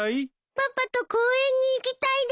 パパと公園に行きたいです。